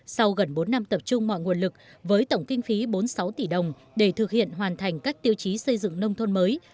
sau gần bốn năm tập trung mọi nguồn lực với tổng kinh phí bốn mươi sáu tỷ đồng để thực hiện hoàn thành các tiêu chí xây dựng nông thôn mới